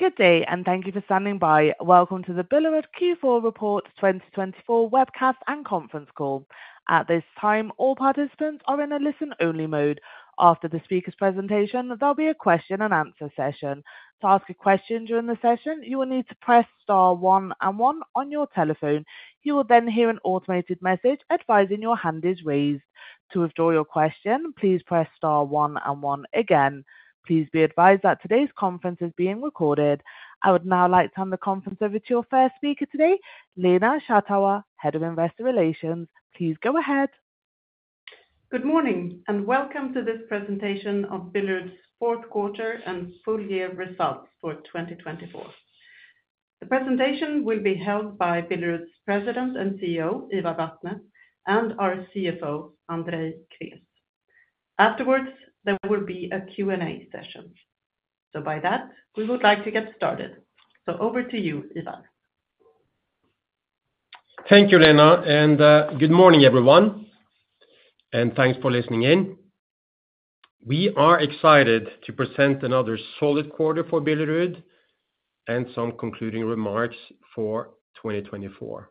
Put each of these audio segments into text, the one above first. Good day, and thank you for standing by. Welcome to the Billerud Q4 Reports 2024 webcast and conference call. At this time, all participants are in a listen-only mode. After the speaker's presentation, there'll be a question-and-answer session. To ask a question during the session, you will need to press star one and one on your telephone. You will then hear an automated message advising your hand is raised. To withdraw your question, please press star one and one again. Please be advised that today's conference is being recorded. I would now like to hand the conference over to your first speaker today, Lena Schattauer, Head of Investor Relations. Please go ahead. Good morning, and welcome to this presentation of Billerud's fourth quarter and full-year results for 2024. The presentation will be held by Billerud's President and CEO, Ivar Vatne, and our CFO, Andrei Krés. Afterwards, there will be a Q&A session. So by that, we would like to get started. So over to you, Ivar. Thank you, Lena, and good morning, everyone, and thanks for listening in. We are excited to present another solid quarter for Billerud and some concluding remarks for 2024,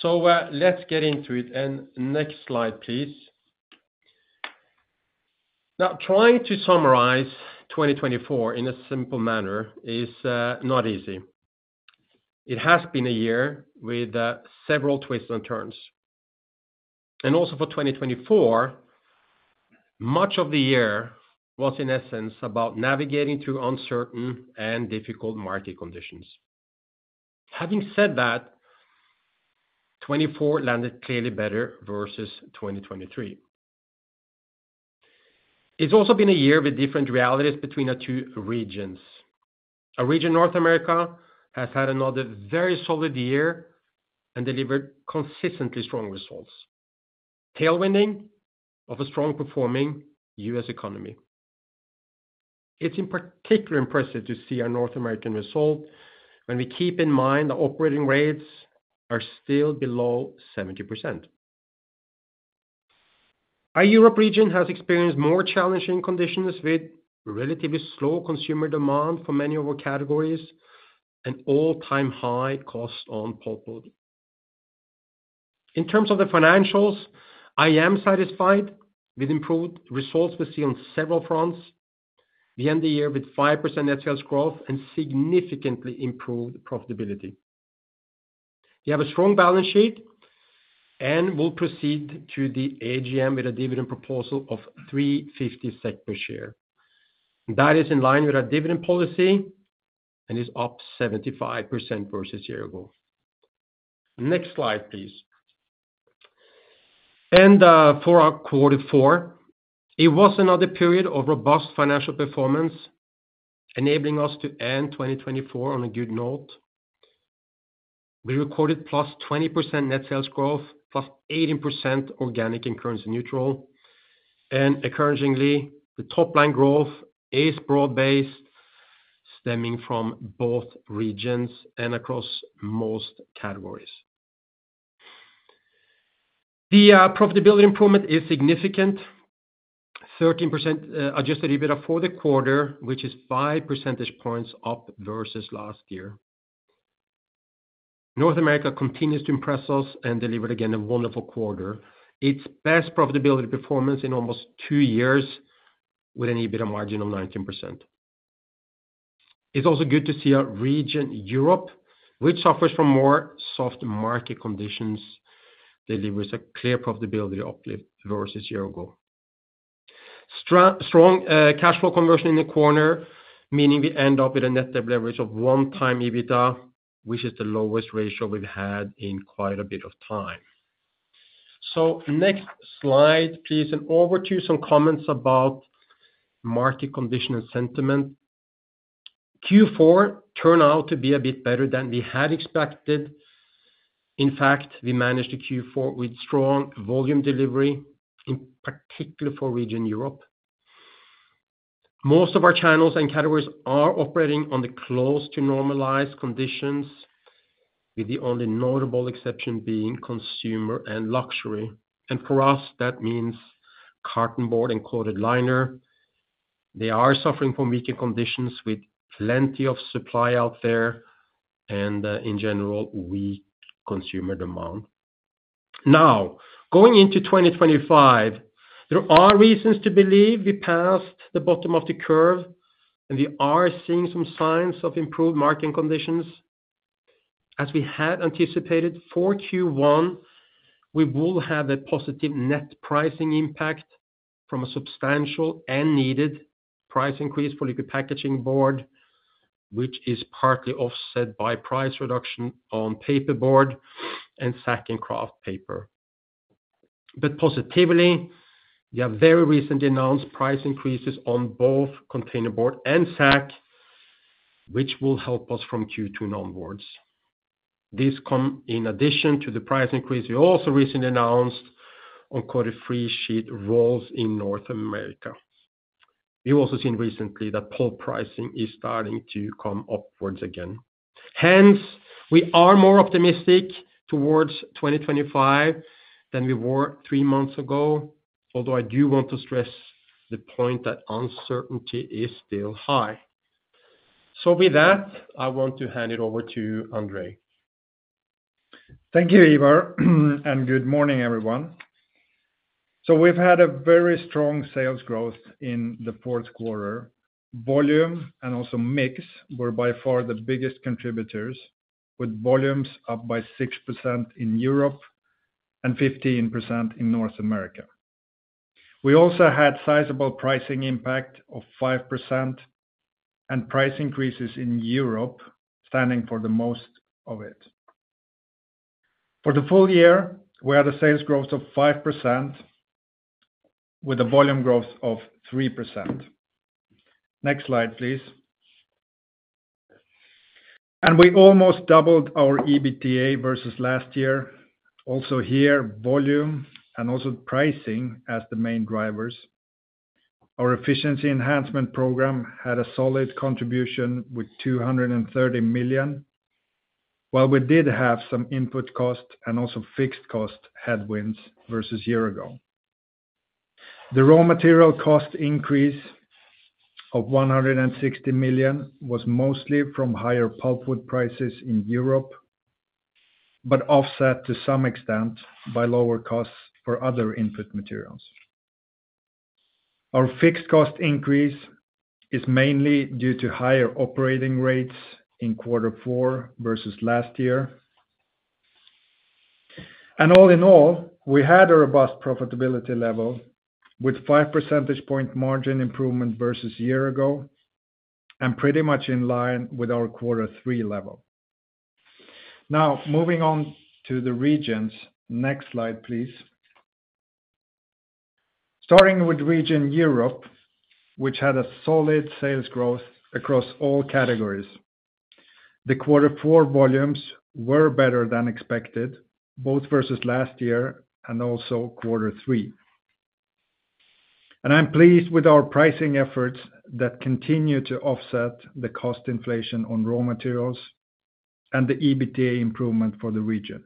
so let's get into it, and next slide, please. Now, trying to summarize 2024 in a simple manner is not easy. It has been a year with several twists and turns, and also for 2024, much of the year was, in essence, about navigating through uncertain and difficult market conditions. Having said that, 2024 landed clearly better versus 2023. It's also been a year with different realities between our two regions. Our region, North America, has had another very solid year and delivered consistently strong results, tailwinding of a strong-performing U.S. economy. It's in particular impressive to see our North American result when we keep in mind the operating rates are still below 70%. Our Europe region has experienced more challenging conditions with relatively slow consumer demand for many of our categories and all-time high costs on pulpwood. In terms of the financials, I am satisfied with improved results we've seen on several fronts. We end the year with 5% net sales growth and significantly improved profitability. We have a strong balance sheet and will proceed to the AGM with a dividend proposal of 350 SEK per share. That is in line with our dividend policy and is up 75% versus a year ago. Next slide, please. And for our quarter four, it was another period of robust financial performance, enabling us to end 2024 on a good note. We recorded plus 20% net sales growth, plus 18% organic and currency neutral. And encouragingly, the top-line growth is broad-based, stemming from both regions and across most categories. The profitability improvement is significant, 13% Adjusted EBITDA for the quarter, which is 5 percentage points up versus last year. North America continues to impress us and delivered again a wonderful quarter. Its best profitability performance in almost two years with an EBITDA margin of 19%. It's also good to see our region, Europe, which suffers from more soft market conditions, delivers a clear profitability uplift versus a year ago. Strong cash flow conversion in the quarter, meaning we end up with a net leverage of one times EBITDA, which is the lowest ratio we've had in quite a bit of time. So next slide, please, and over to some comments about market conditions and sentiment. Q4 turned out to be a bit better than we had expected. In fact, we managed the Q4 with strong volume delivery, in particular for Region Europe. Most of our channels and categories are operating on the close to normalized conditions, with the only notable exception being consumer and luxury, and for us, that means cartonboard and coated liner. They are suffering from weaker conditions with plenty of supply out there and, in general, weak consumer demand. Now, going into 2025, there are reasons to believe we passed the bottom of the curve, and we are seeing some signs of improved market conditions. As we had anticipated for Q1, we will have a positive net pricing impact from a substantial and needed price increase for liquid packaging board, which is partly offset by price reduction on paperboard and sack and kraft paper, but positively, we have very recently announced price increases on both containerboard and sack, which will help us from Q2 onwards. This, in addition to the price increase we also recently announced on coated freesheet rolls in North America. We've also seen recently that pulp pricing is starting to come upwards again. Hence, we are more optimistic towards 2025 than we were three months ago, although I do want to stress the point that uncertainty is still high. So with that, I want to hand it over to Andrei. Thank you, Ivar, and good morning, everyone. So we've had a very strong sales growth in the fourth quarter. Volume and also mix were by far the biggest contributors, with volumes up by 6% in Europe and 15% in North America. We also had sizable pricing impact of 5% and price increases in Europe, standing for the most of it. For the full year, we had a sales growth of 5% with a volume growth of 3%. Next slide, please. And we almost doubled our EBITDA versus last year. Also here, volume and also pricing as the main drivers. Our efficiency enhancement program had a solid contribution with 230 million, while we did have some input cost and also fixed cost headwinds versus a year ago. The raw material cost increase of 160 million was mostly from higher pulpwood prices in Europe, but offset to some extent by lower costs for other input materials. Our fixed cost increase is mainly due to higher operating rates in quarter four versus last year, and all in all, we had a robust profitability level with 5 percentage point margin improvement versus a year ago and pretty much in line with our quarter three level. Now, moving on to the regions. Next slide, please. Starting with region Europe, which had a solid sales growth across all categories. The quarter four volumes were better than expected, both versus last year and also quarter three, and I'm pleased with our pricing efforts that continue to offset the cost inflation on raw materials and the EBITDA improvement for the region.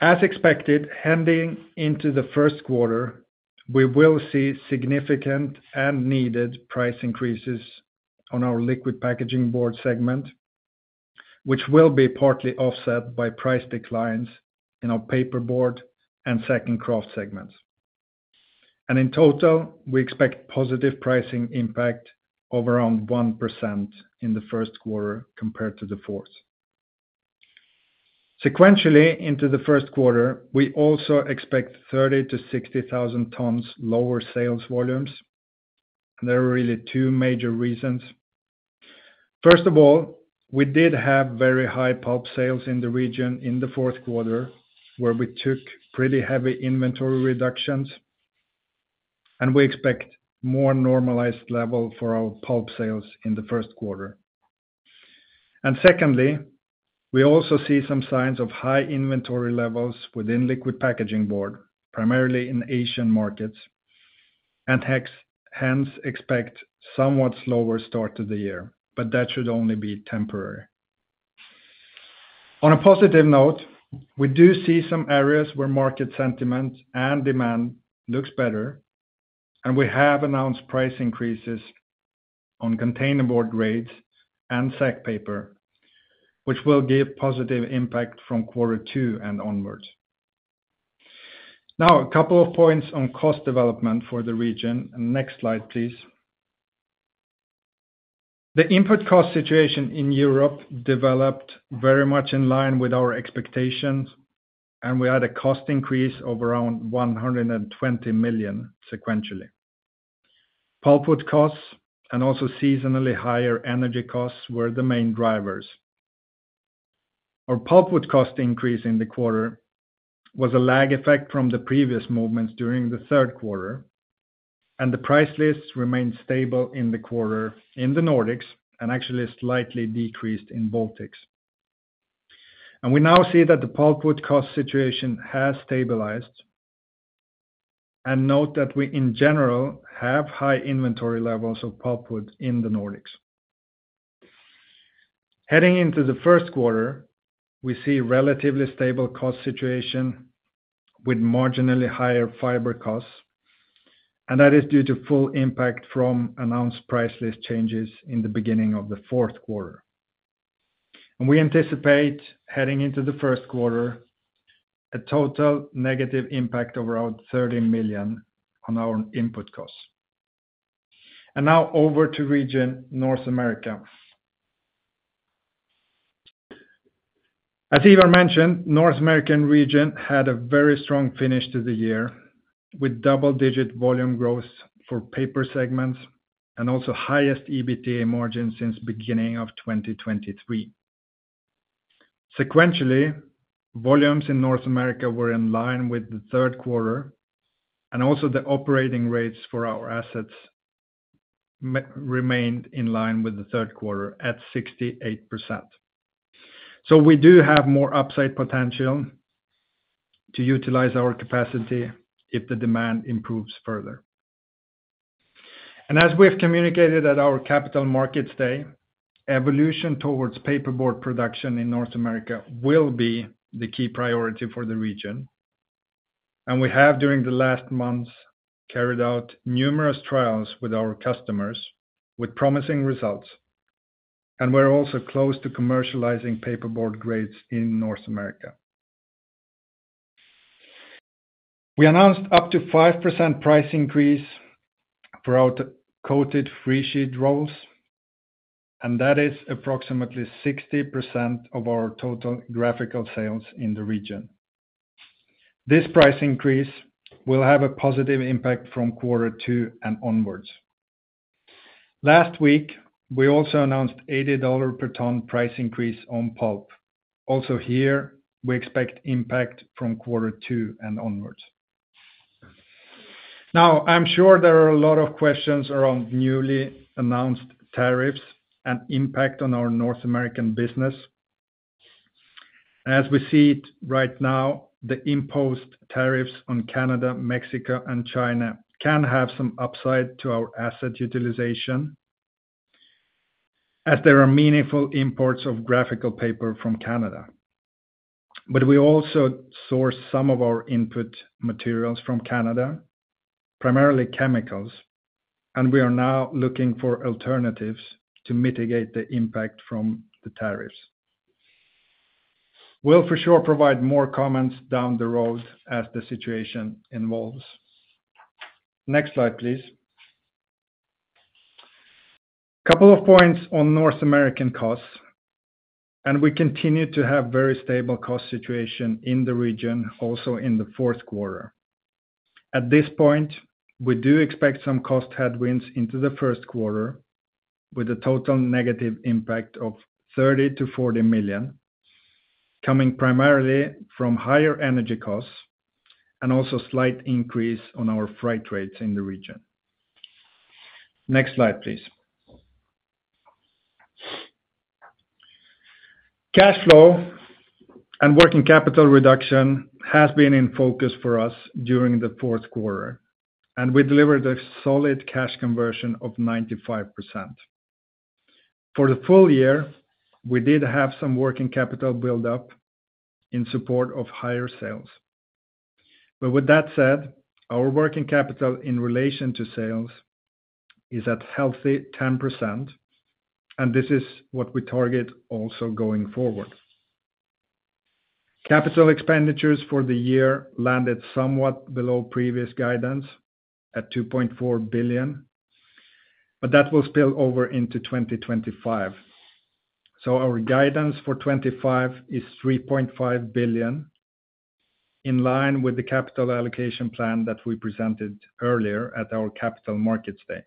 As expected, heading into the first quarter, we will see significant and needed price increases on our liquid packaging board segment, which will be partly offset by price declines in our paperboard and sack and kraft segments, and in total, we expect positive pricing impact of around 1% in the first quarter compared to the fourth. Sequentially, into the first quarter, we also expect 30,000-60,000 tons lower sales volumes. There are really two major reasons. First of all, we did have very high pulp sales in the region in the fourth quarter, where we took pretty heavy inventory reductions, and we expect a more normalized level for our pulp sales in the first quarter. And secondly, we also see some signs of high inventory levels within liquid packaging board, primarily in Asian markets, and hence expect a somewhat slower start to the year, but that should only be temporary. On a positive note, we do see some areas where market sentiment and demand look better, and we have announced price increases on containerboard grades and sack paper, which will give a positive impact from quarter two and onwards. Now, a couple of points on cost development for the region. Next slide, please. The input cost situation in Europe developed very much in line with our expectations, and we had a cost increase of around 120 million sequentially. Pulpwood costs and also seasonally higher energy costs were the main drivers. Our pulpwood cost increase in the quarter was a lag effect from the previous movements during the third quarter, and the price lists remained stable in the quarter in the Nordics and actually slightly decreased in Baltics. And we now see that the pulpwood cost situation has stabilized, and note that we, in general, have high inventory levels of pulpwood in the Nordics. Heading into the first quarter, we see a relatively stable cost situation with marginally higher fiber costs, and that is due to full impact from announced price list changes in the beginning of the fourth quarter. And we anticipate, heading into the first quarter, a total negative impact of around 30 million on our input costs. And now over to Region North America. As Ivar mentioned, North American region had a very strong finish to the year with double-digit volume growth for paper segments and also the highest EBITDA margin since the beginning of 2023. Sequentially, volumes in North America were in line with the third quarter, and also the operating rates for our assets remained in line with the third quarter at 68%, so we do have more upside potential to utilize our capacity if the demand improves further, and as we've communicated at our Capital Markets Day, evolution towards paperboard production in North America will be the key priority for the region, and we have, during the last months, carried out numerous trials with our customers with promising results, and we're also close to commercializing paperboard grades in North America. We announced up to 5% price increase for our coated freesheet rolls, and that is approximately 60% of our total graphic sales in the region. This price increase will have a positive impact from quarter two and onwards. Last week, we also announced an $80 per ton price increase on pulp. Also here, we expect impact from quarter two and onwards. Now, I'm sure there are a lot of questions around newly announced tariffs and impact on our North American business. As we see it right now, the imposed tariffs on Canada, Mexico, and China can have some upside to our asset utilization as there are meaningful imports of graphic paper from Canada. But we also source some of our input materials from Canada, primarily chemicals, and we are now looking for alternatives to mitigate the impact from the tariffs. We'll for sure provide more comments down the road as the situation evolves. Next slide, please. A couple of points on North American costs. And we continue to have a very stable cost situation in the region, also in the fourth quarter. At this point, we do expect some cost headwinds into the first quarter with a total negative impact of 30 million-40 million, coming primarily from higher energy costs and also a slight increase in our freight rates in the region. Next slide, please. Cash flow and working capital reduction have been in focus for us during the fourth quarter, and we delivered a solid cash conversion of 95%. For the full year, we did have some working capital build-up in support of higher sales. But with that said, our working capital in relation to sales is at a healthy 10%, and this is what we target also going forward. Capital expenditures for the year landed somewhat below previous guidance at 2.4 billion, but that will spill over into 2025. So our guidance for 2025 is 3.5 billion, in line with the capital allocation plan that we presented earlier at our capital markets day.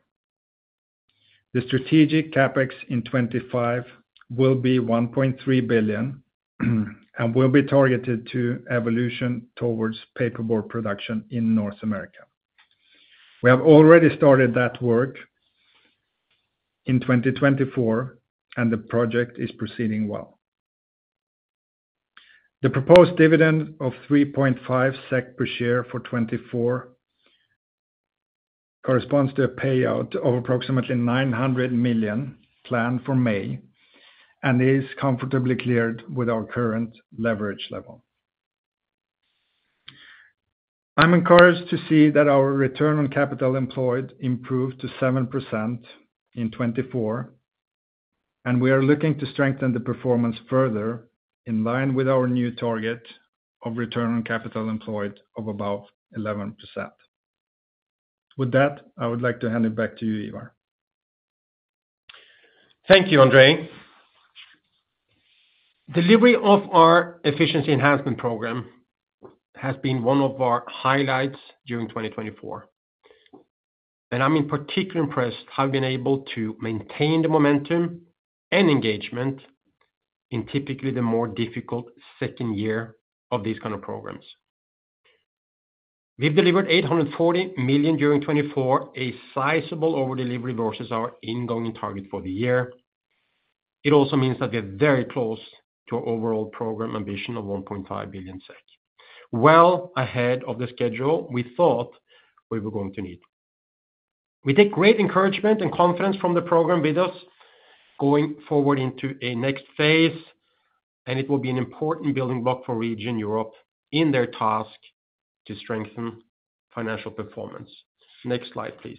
The strategic CapEx in 2025 will be 1.3 billion and will be targeted to evolution towards paperboard production in North America. We have already started that work in 2024, and the project is proceeding well. The proposed dividend of 3.5 SEK per share for 2024 corresponds to a payout of approximately 900 million planned for May and is comfortably cleared with our current leverage level. I'm encouraged to see that our return on capital employed improved to 7% in 2024, and we are looking to strengthen the performance further in line with our new target of return on capital employed of about 11%. With that, I would like to hand it back to you, Ivar. Thank you, Andrei. Delivery of our efficiency enhancement program has been one of our highlights during 2024, and I'm in particular impressed how we've been able to maintain the momentum and engagement in typically the more difficult second year of these kind of programs. We've delivered 840 million during 2024, a sizable overdelivery versus our incoming target for the year. It also means that we are very close to our overall program ambition of 1.5 billion SEK, well ahead of the schedule we thought we were going to need. We take great encouragement and confidence from the program with us going forward into a next phase, and it will be an important building block for Region Europe in their task to strengthen financial performance. Next slide, please.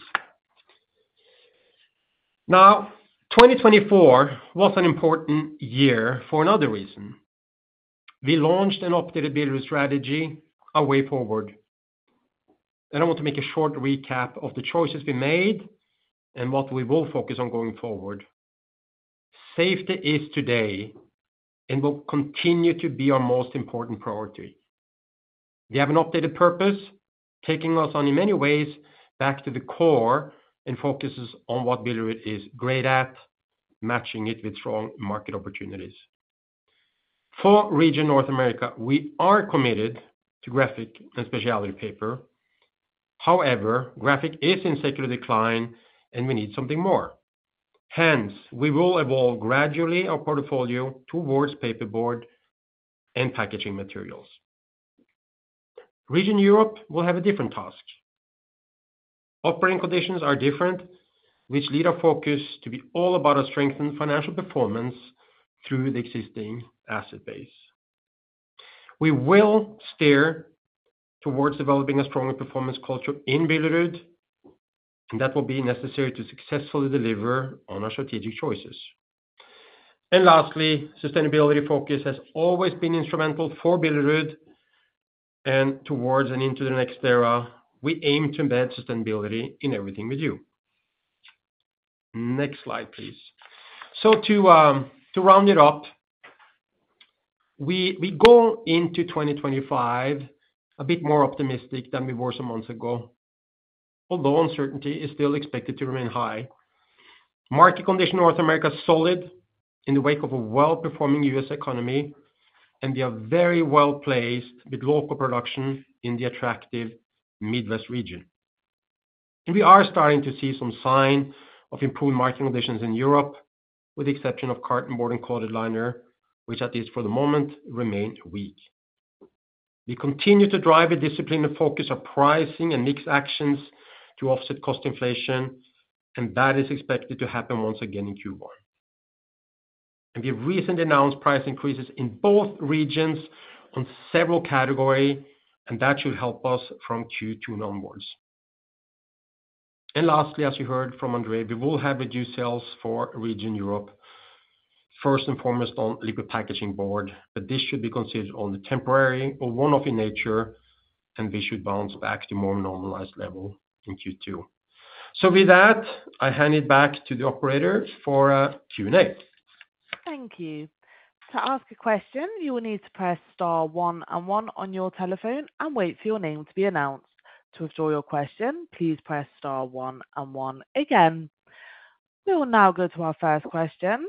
Now, 2024 was an important year for another reason. We launched an updated Billerud strategy, A Way Forward, and I want to make a short recap of the choices we made and what we will focus on going forward. Safety is today and will continue to be our most important priority. We have an updated purpose taking us on in many ways back to the core and focuses on what Billerud is great at, matching it with strong market opportunities. For region North America, we are committed to graphic and specialty paper. However, graphic is in secular decline, and we need something more. Hence, we will evolve gradually our portfolio towards paperboard and packaging materials. Region Europe will have a different task. Operating conditions are different, which lead our focus to be all about our strengthened financial performance through the existing asset base. We will steer towards developing a stronger performance culture in Billerud, and that will be necessary to successfully deliver on our strategic choices, and lastly, sustainability focus has always been instrumental for Billerud, and towards and into the next era, we aim to embed sustainability in everything we do. Next slide, please, so to round it up, we go into 2025 a bit more optimistic than we were some months ago, although uncertainty is still expected to remain high. Market condition North America is solid in the wake of a well-performing U.S. economy, and we are very well placed with local production in the attractive Midwest region, and we are starting to see some signs of improved market conditions in Europe, with the exception of cartonboard and coated liner, which at least for the moment remain weak. We continue to drive a discipline and focus on pricing and mixed actions to offset cost inflation, and that is expected to happen once again in Q1, and we have recently announced price increases in both regions on several categories, and that should help us from Q2 and onwards, and lastly, as you heard from Andrei, we will have reduced sales for region Europe, first and foremost on liquid packaging board, but this should be considered only temporary or one-off in nature, and we should bounce back to a more normalized level in Q2, so with that, I hand it back to the operator for a Q&A. Thank you. To ask a question, you will need to press star one and one on your telephone and wait for your name to be announced. To withdraw your question, please press star one and one again. We will now go to our first question.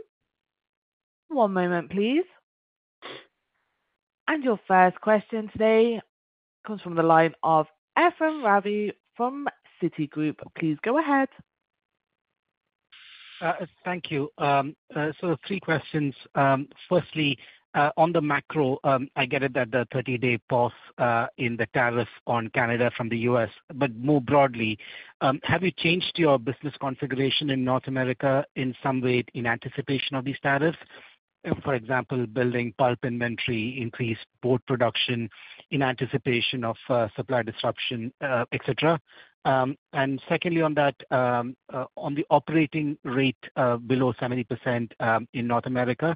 One moment, please. And your first question today comes from the line of Ephrem Ravi from Citigroup. Please go ahead. Thank you. So three questions. Firstly, on the macro, I get it that the 30-day pause in the tariffs on Canada from the U.S., but more broadly, have you changed your business configuration in North America in some way in anticipation of these tariffs? For example, building pulp inventory increase, board production in anticipation of supply disruption, etc. And secondly, on that, on the operating rate below 70% in North America,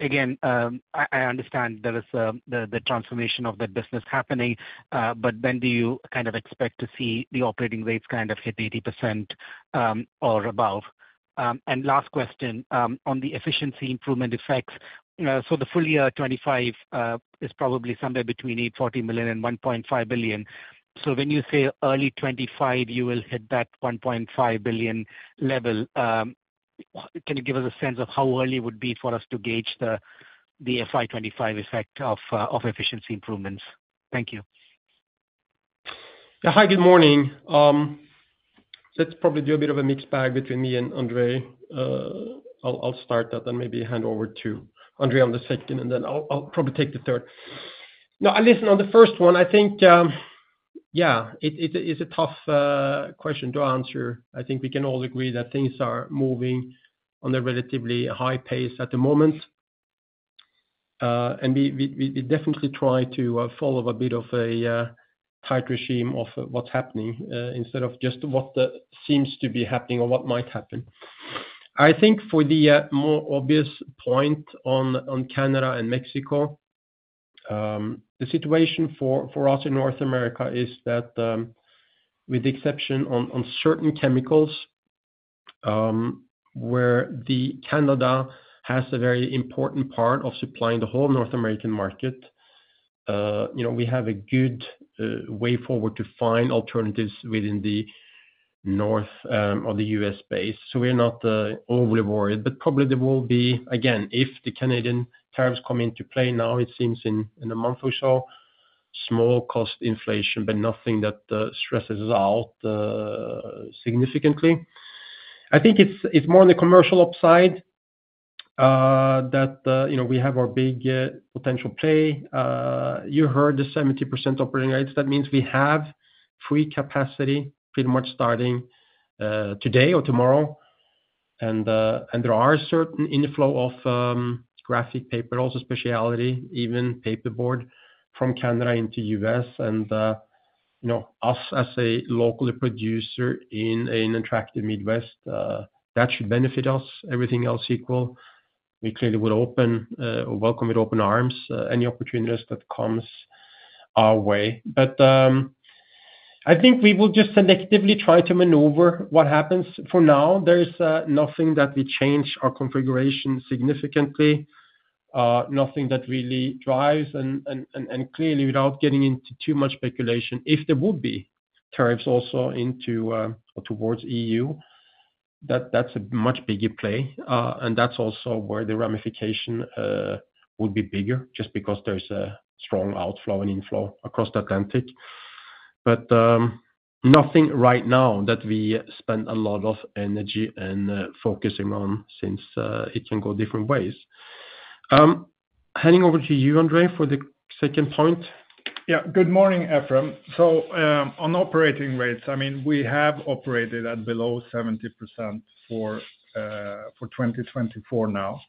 again, I understand there is the transformation of the business happening, but when do you kind of expect to see the operating rates kind of hit 80% or above? And last question, on the efficiency improvement effects, so the full year 2025 is probably somewhere between 840 million and 1.5 billion. So when you say early 2025, you will hit that 1.5 billion level. Can you give us a sense of how early it would be for us to gauge the FY25 effect of efficiency improvements? Thank you. Hi, good morning. Let's probably do a bit of a mixed bag between me and Andrei. I'll start that and maybe hand over to Andrei on the second, and then I'll probably take the third. Now, I listen on the first one. I think, yeah, it's a tough question to answer. I think we can all agree that things are moving on a relatively high pace at the moment, and we definitely try to follow a bit of a tight regime of what's happening instead of just what seems to be happening or what might happen. I think for the more obvious point on Canada and Mexico, the situation for us in North America is that, with the exception of certain chemicals where Canada has a very important part of supplying the whole North American market, we have a good way forward to find alternatives within the north of the U.S. base. So we're not overly worried, but probably there will be, again, if the Canadian tariffs come into play now, it seems in a month or so, small cost inflation, but nothing that stresses us out significantly. I think it's more on the commercial upside that we have our big potential play. You heard the 70% operating rates. That means we have free capacity pretty much starting today or tomorrow, and there are certain inflows of graphic paper, also specialty, even paperboard from Canada into the U.S. Us as a local producer in an attractive Midwest, that should benefit us. Everything else equal, we clearly would open or welcome with open arms any opportunities that come our way. But I think we will just selectively try to maneuver what happens. For now, there is nothing that will change our configuration significantly, nothing that really drives. And clearly, without getting into too much speculation, if there would be tariffs also towards the EU, that's a much bigger play. And that's also where the ramification would be bigger just because there's a strong outflow and inflow across the Atlantic. But nothing right now that we spend a lot of energy and focusing on since it can go different ways. Handing over to you, Andrei, for the second point. Yeah, good morning, Ephraim. So on operating rates, I mean, we have operated at below 70% for 2024 now.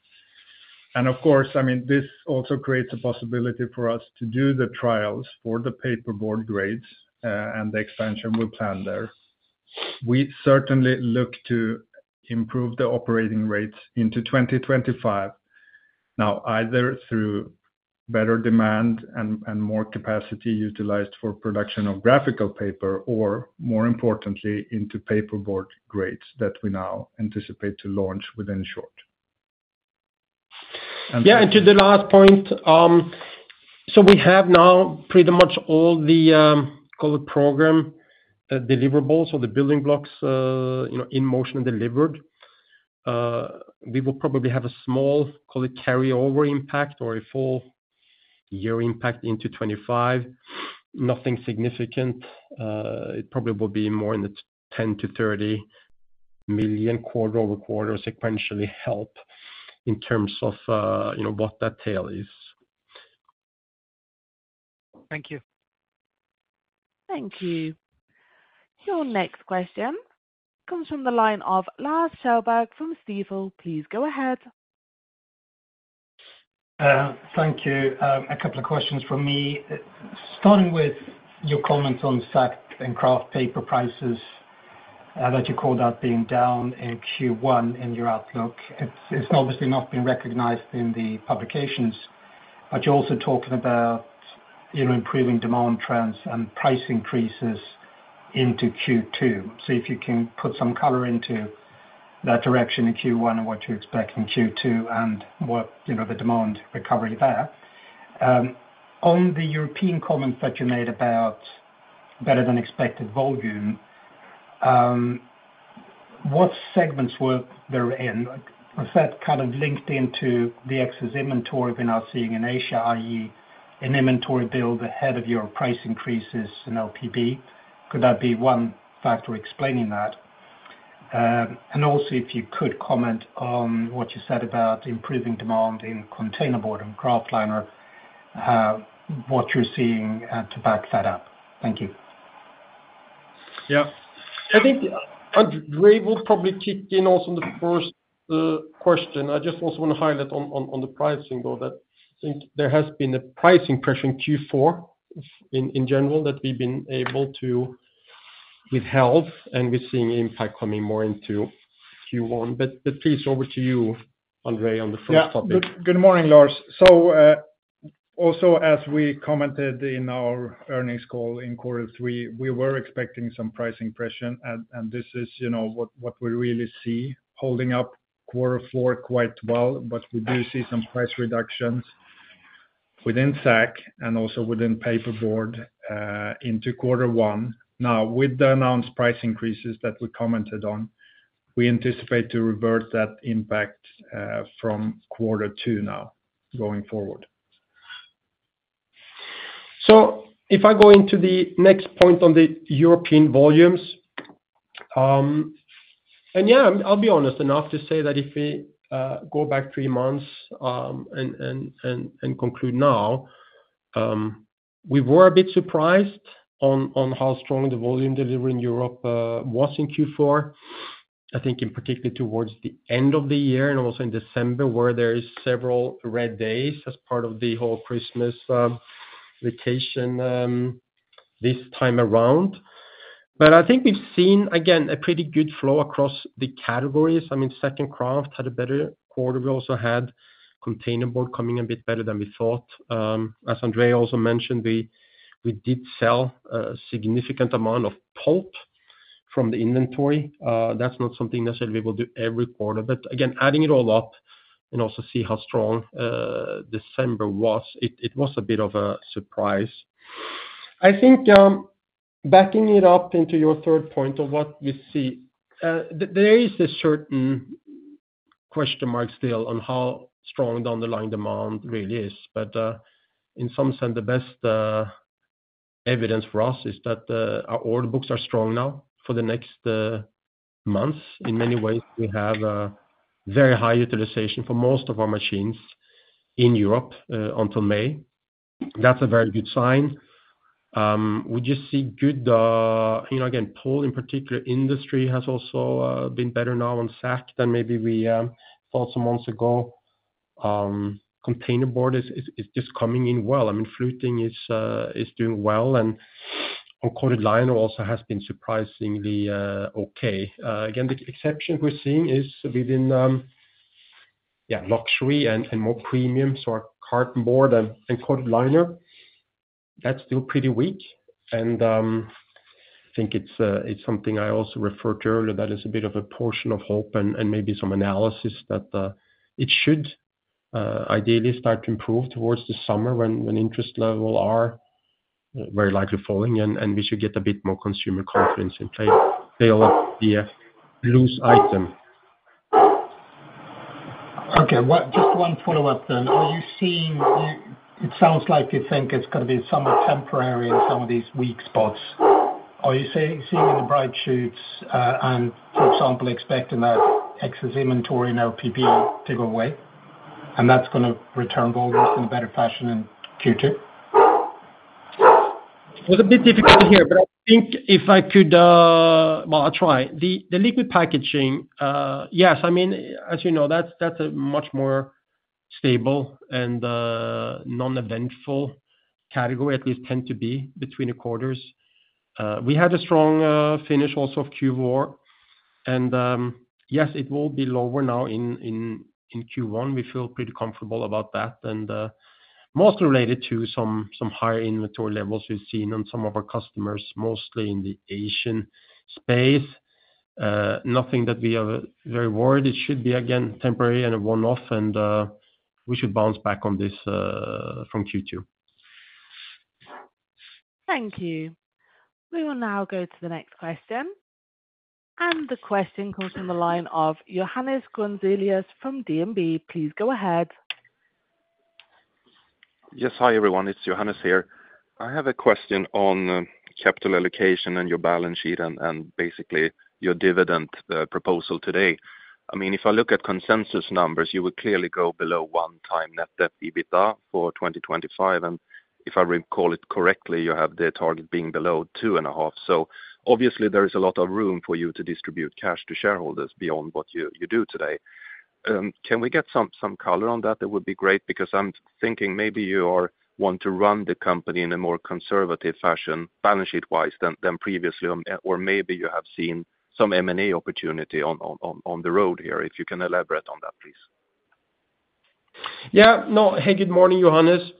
And of course, I mean, this also creates a possibility for us to do the trials for the paperboard grades and the expansion we plan there. We certainly look to improve the operating rates into 2025. Now, either through better demand and more capacity utilized for production of graphic paper, or more importantly, into paperboard grades that we now anticipate to launch within short. Yeah, and to the last point, so we have now pretty much all the program deliverables or the building blocks in motion and delivered. We will probably have a small carryover impact or a full year impact into 2025. Nothing significant. It probably will be more in the 10-30 million quarter over quarter sequentially help in terms of what that tail is. Thank you. Thank you. Your next question comes from the line of Lars Kjellberg from Stifel. Please go ahead. Thank you. A couple of questions from me. Starting with your comments on sack and kraft paper prices that you called out being down in Q1 in your outlook. It's obviously not been recognized in the publications, but you're also talking about improving demand trends and price increases into Q2. So if you can put some color into that direction in Q1 and what you expect in Q2 and the demand recovery there. On the European comments that you made about better than expected volume, what segments were there in? Was that kind of linked into the excess inventory we're now seeing in Asia, i.e., an inventory build ahead of your price increases in LPB? Could that be one factor explaining that? And also, if you could comment on what you said about improving demand in containerboard and kraft liner, what you're seeing to back that up. Thank you. Yeah. I think Andrei will probably kick in also on the first question. I just also want to highlight on the pricing, though, that I think there has been a pricing pressure in Q4 in general that we've been able to withstand and we're seeing impact coming more into Q1. But please, over to you, Andrei, on the first topic. Yeah. Good morning, Lars. So also, as we commented in our earnings call in quarter three, we were expecting some pricing pressure, and this is what we really see holding up quarter four quite well, but we do see some price reductions within sack and also within paperboard into quarter one. Now, with the announced price increases that we commented on, we anticipate to revert that impact from quarter two now going forward. So if I go into the next point on the European volumes, and yeah, I'll be honest enough to say that if we go back three months and conclude now, we were a bit surprised on how strong the volume delivery in Europe was in Q4. I think in particular towards the end of the year and also in December, where there are several red days as part of the whole Christmas vacation this time around. But I think we've seen, again, a pretty good flow across the categories. I mean, sack kraft had a better quarter. We also had containerboard coming a bit better than we thought. As Andrei also mentioned, we did sell a significant amount of pulp from the inventory. That's not something necessarily we will do every quarter, but again, adding it all up and also see how strong December was. It was a bit of a surprise. I think backing it up into your third point of what we see, there is a certain question mark still on how strong the underlying demand really is. But in some sense, the best evidence for us is that our order books are strong now for the next months. In many ways, we have very high utilization for most of our machines in Europe until May. That's a very good sign. We just see good, again, pull in particular industry has also been better now on sack than maybe we thought some months ago. Containerboard is just coming in well. I mean, fluting is doing well, and our coated liner also has been surprisingly okay. Again, the exception we're seeing is within, yeah, luxury and more premium. So our cartonboard and coated liner, that's still pretty weak. And I think it's something I also referred to earlier that is a bit of a portion of hope and maybe some analysis that it should ideally start to improve towards the summer when interest levels are very likely falling, and we should get a bit more consumer confidence in play. They all have to loose item. Okay. Just one follow-up then. Are you seeing? It sounds like you think it's going to be somewhat temporary in some of these weak spots. Are you seeing in the bright spots and, for example, expecting that excess inventory in LPB to go away, and that's going to return volumes in a better fashion in Q2? Well, it's a bit difficult to hear, but I think if I could, well, I'll try. The liquid packaging, yes. I mean, as you know, that's a much more stable and non-eventful category, at least tend to be between the quarters. We had a strong finish also of Q4. And yes, it will be lower now in Q1. We feel pretty comfortable about that and mostly related to some higher inventory levels we've seen on some of our customers, mostly in the Asian space. Nothing that we are very worried. It should be, again, temporary and a one-off, and we should bounce back on this from Q2. Thank you. We will now go to the next question, and the question comes from the line of Johannes Grunselius from DNB Markets. Please go ahead. Yes, hi everyone. It's Johannes here. I have a question on capital allocation and your balance sheet and basically your dividend proposal today. I mean, if I look at consensus numbers, you would clearly go below one times net debt to EBITDA for 2025. And if I recall it correctly, you have the target being below two and a half. So obviously, there is a lot of room for you to distribute cash to shareholders beyond what you do today. Can we get some color on that? It would be great because I'm thinking maybe you want to run the company in a more conservative fashion, balance sheet-wise, than previously, or maybe you have seen some M&A opportunity on the road here. If you can elaborate on that, please. Yeah. No, hey, good morning, Johannes.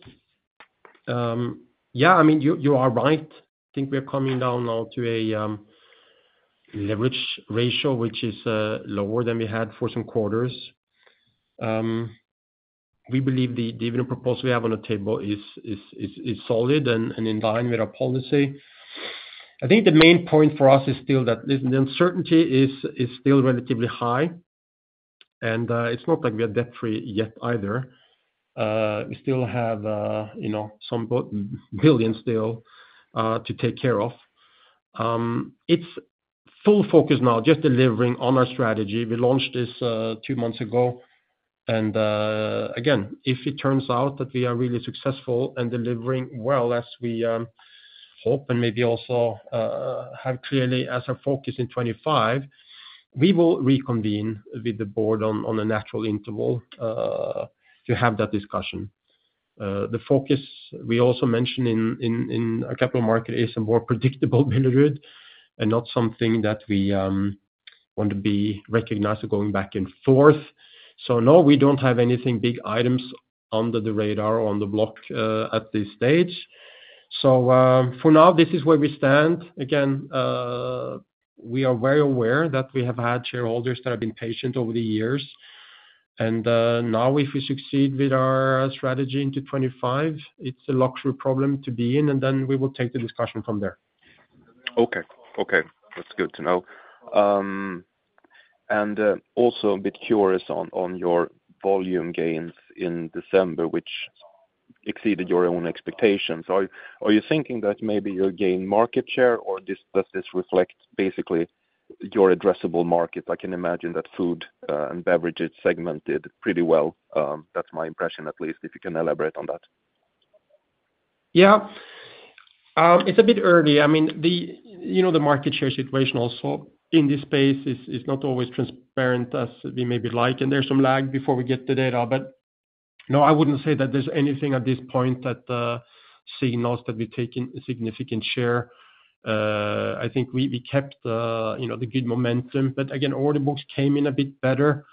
Yeah, I mean, you are right. I think we are coming down now to a leverage ratio, which is lower than we had for some quarters. We believe the dividend proposal we have on the table is solid and in line with our policy. I think the main point for us is still that the uncertainty is still relatively high, and it's not like we are debt-free yet either. We still have some billions still to take care of. It's full focus now, just delivering on our strategy. We launched this two months ago. And again, if it turns out that we are really successful and delivering well as we hope and maybe also have clearly as our focus in 25, we will reconvene with the board on a natural interval to have that discussion. The focus we also mentioned in our capital market is a more predictable Billerud and not something that we want to be recognized going back and forth. So no, we don't have anything big items under the radar or on the block at this stage. So for now, this is where we stand. Again, we are very aware that we have had shareholders that have been patient over the years. And now, if we succeed with our strategy into 2025, it's a luxury problem to be in, and then we will take the discussion from there. Okay. Okay. That's good to know. And also a bit curious on your volume gains in December, which exceeded your own expectations. Are you thinking that maybe you'll gain market share, or does this reflect basically your addressable market? I can imagine that food and beverages segmented pretty well. That's my impression, at least, if you can elaborate on that. Yeah. It's a bit early. I mean, the market share situation also in this space is not always transparent as we maybe like, and there's some lag before we get the data. But no, I wouldn't say that there's anything at this point that signals that we've taken a significant share. I think we kept the good momentum. But again, order books came in a bit better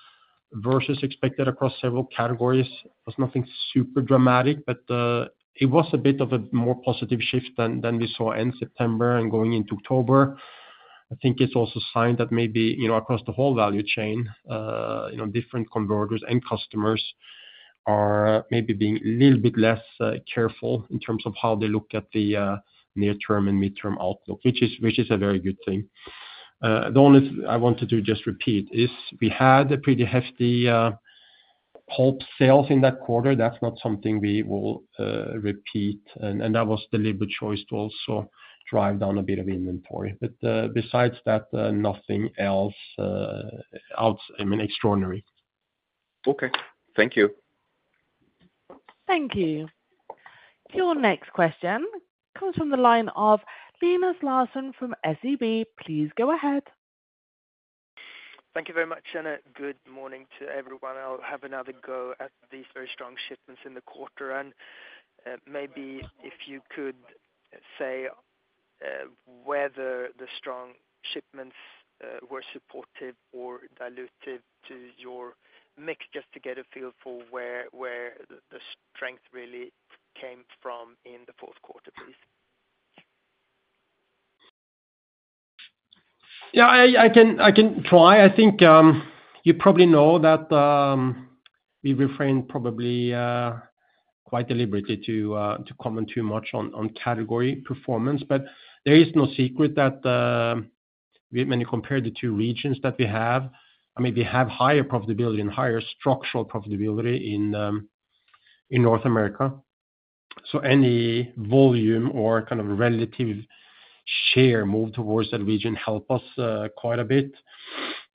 versus expected across several categories. There's nothing super dramatic, but it was a bit of a more positive shift than we saw in September and going into October. I think it's also a sign that maybe across the whole value chain, different converters and customers are maybe being a little bit less careful in terms of how they look at the near-term and mid-term outlook, which is a very good thing. The only thing I wanted to just repeat is we had pretty hefty pulp sales in that quarter. That's not something we will repeat. And that was the deliberate choice to also drive down a bit of inventory. But besides that, nothing else out of the ordinary. Okay. Thank you. Thank you. Your next question comes from the line of Linus Larsson from SEB. Please go ahead. Thank you very much, and good morning to everyone. I'll have another go at these very strong shipments in the quarter, and maybe if you could say whether the strong shipments were supportive or diluted to your mix just to get a feel for where the strength really came from in the fourth quarter, please. Yeah, I can try. I think you probably know that we refrain probably quite deliberately to comment too much on category performance. But there is no secret that when you compare the two regions that we have, I mean, we have higher profitability and higher structural profitability in North America. So any volume or kind of relative share moved towards that region helps us quite a bit.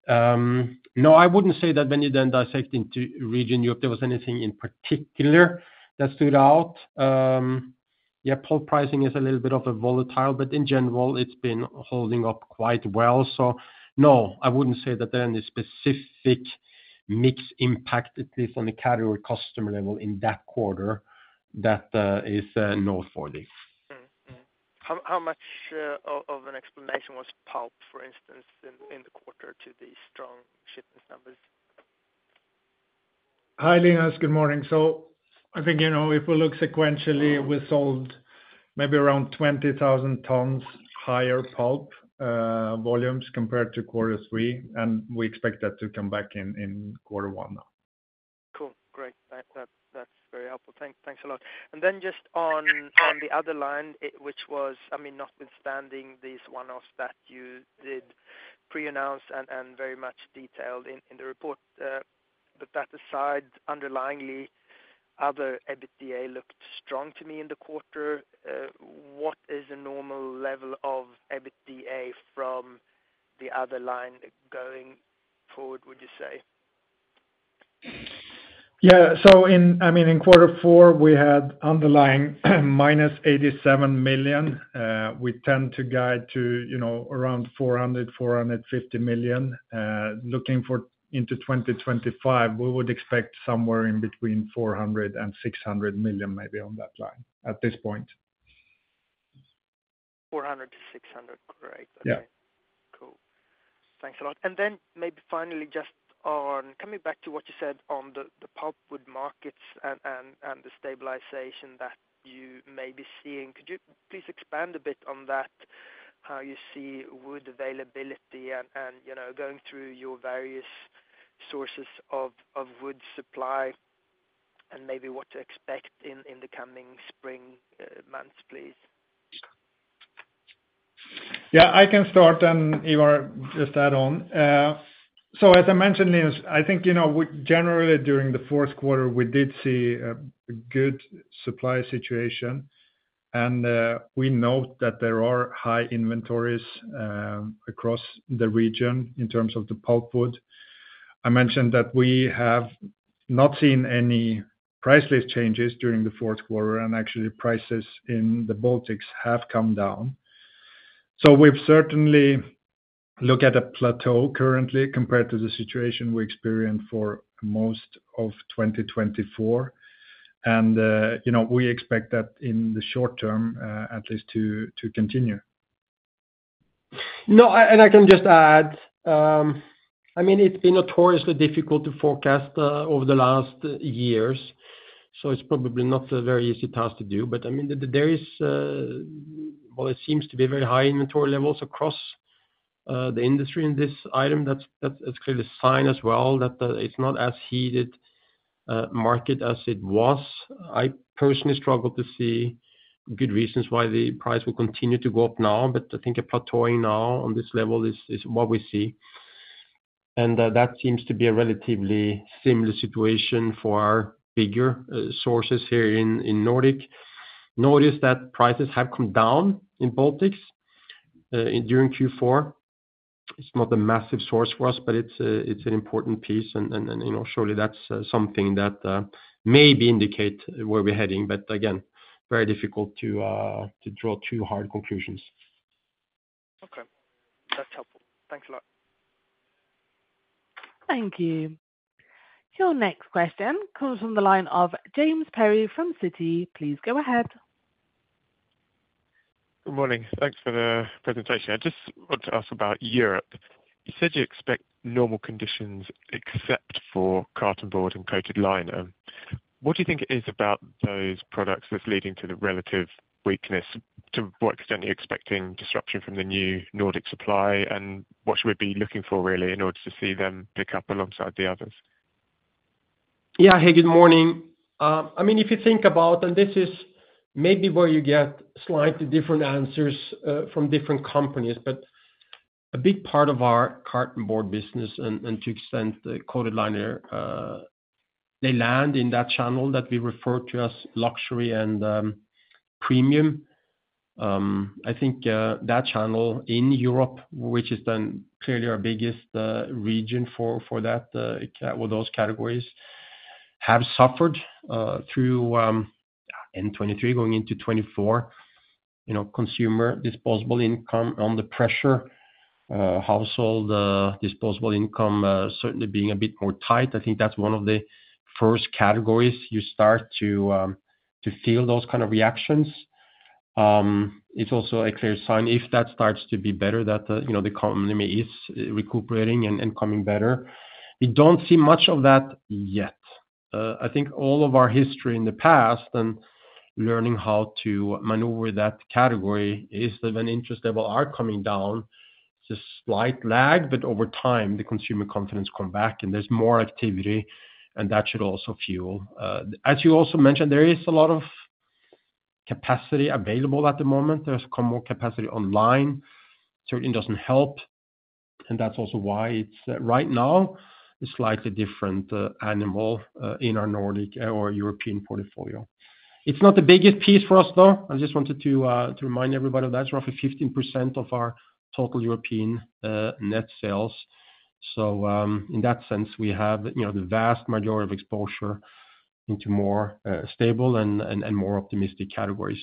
No, I wouldn't say that when you then dissect into region Europe, there was anything in particular that stood out. Yeah, pulp pricing is a little bit of a volatile, but in general, it's been holding up quite well. So no, I wouldn't say that there is any specific mix impact, at least on the category customer level in that quarter that is noteworthy. How much of an explanation was pulp, for instance, in the quarter to these strong shipment numbers? Hi, Lena Schattauer. Good morning. So I think if we look sequentially, we sold maybe around 20,000 tons higher pulp volumes compared to quarter three, and we expect that to come back in quarter one now. Cool. Great. That's very helpful. Thanks a lot. And then just on the other line, which was, I mean, notwithstanding these one-offs that you did pre-announce and very much detailed in the report, but that aside, underlyingly, other EBITDA looked strong to me in the quarter. What is a normal level of EBITDA from the other line going forward, would you say? Yeah. So I mean, in quarter four, we had underlying minus 87 million. We tend to guide to around 400-450 million. Looking into 2025, we would expect somewhere in between 400 and 600 million maybe on that line at this point. 400-600. Great. Okay. Cool. Thanks a lot. And then maybe finally, just on coming back to what you said on the pulpwood markets and the stabilization that you may be seeing, could you please expand a bit on that, how you see wood availability and going through your various sources of wood supply and maybe what to expect in the coming spring months, please? Yeah, I can start and Ivar just add on. So as I mentioned, Linus Larsson, I think generally during the fourth quarter, we did see a good supply situation. And we note that there are high inventories across the region in terms of the pulpwood. I mentioned that we have not seen any price level changes during the fourth quarter, and actually prices in the Baltics have come down. So we've certainly looked at a plateau currently compared to the situation we experienced for most of 2024. And we expect that in the short term, at least, to continue. No, and I can just add, I mean, it's been notoriously difficult to forecast over the last years. So it's probably not a very easy task to do. But I mean, there is, well, it seems to be very high inventory levels across the industry in this item. That's clearly a sign as well that it's not as heated market as it was. I personally struggle to see good reasons why the price will continue to go up now, but I think a plateauing now on this level is what we see. And that seems to be a relatively similar situation for our bigger sources here in Nordic. Notice that prices have come down in Baltics during Q4. It's not a massive source for us, but it's an important piece. And surely that's something that maybe indicates where we're heading. But again, very difficult to draw too hard conclusions. Okay. That's helpful. Thanks a lot. Thank you. Your next question comes from the line of James Perry from Citi. Please go ahead. Good morning. Thanks for the presentation. I just want to ask about Europe. You said you expect normal conditions except for cartonboard and coated liner. What do you think it is about those products that's leading to the relative weakness? To what extent are you expecting disruption from the new Nordic supply, and what should we be looking for really in order to see them pick up alongside the others? Yeah. Hey, good morning. I mean, if you think about, and this is maybe where you get slightly different answers from different companies, but a big part of our cartonboard business and to extend the coated liner, they land in that channel that we refer to as luxury and premium. I think that channel in Europe, which is then clearly our biggest region for that, those categories have suffered through 2023 going into 2024, consumer disposable income under pressure, household disposable income certainly being a bit more tight. I think that's one of the first categories you start to feel those kind of reactions. It's also a clear sign if that starts to be better that the economy is recuperating and coming better. We don't see much of that yet. I think all of our history in the past and learning how to maneuver that category is that when interest levels are coming down, it's a slight lag, but over time, the consumer confidence comes back and there's more activity, and that should also fuel. As you also mentioned, there is a lot of capacity available at the moment. There's come more capacity online. Certainly doesn't help. And that's also why it's right now a slightly different animal in our Nordic or European portfolio. It's not the biggest piece for us, though. I just wanted to remind everybody that's roughly 15% of our total European net sales. So in that sense, we have the vast majority of exposure into more stable and more optimistic categories.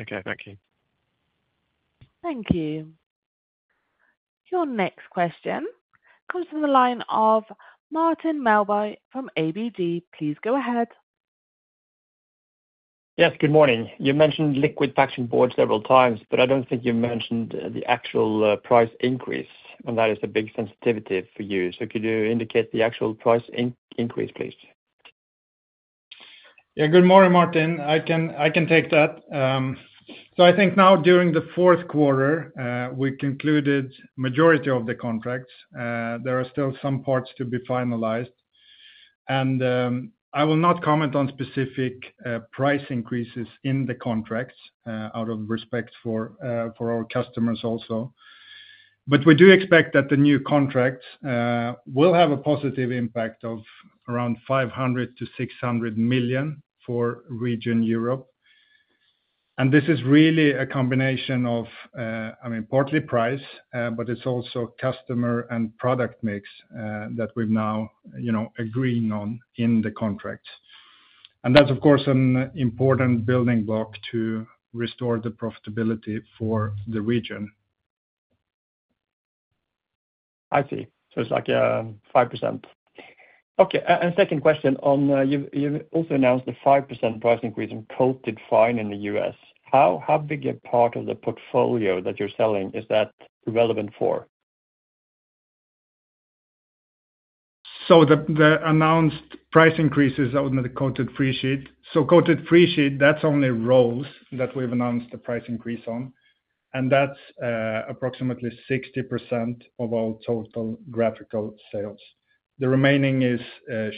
Okay. Thank you. Thank you. Your next question comes from the line of Martin Melby from ABG Sundal Collier. Please go ahead. Yes. Good morning. You mentioned liquid packaging boards several times, but I don't think you mentioned the actual price increase, and that is a big sensitivity for you. So could you indicate the actual price increase, please? Yeah. Good morning, Martin. I can take that, so I think now during the fourth quarter, we concluded the majority of the contracts. There are still some parts to be finalized, and I will not comment on specific price increases in the contracts out of respect for our customers also, but we do expect that the new contracts will have a positive impact of around 500 million-600 million for region Europe, and this is really a combination of, I mean, partly price, but it's also customer and product mix that we've now agreed on in the contracts, and that's, of course, an important building block to restore the profitability for the region. I see. So it's like a 5%. Okay. And second question, you also announced a 5% price increase in coated fine in the U.S. How big a part of the portfolio that you're selling is that relevant for? So the announced price increase is out in the coated freesheet. Coated freesheet, that's only rolls that we've announced the price increase on. And that's approximately 60% of all total graphic sales. The remaining is